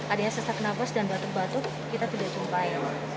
adanya sesak nafas dan batuk batuk kita tidak jumpai